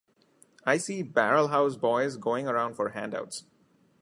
I see barrel-house boys going around for handouts.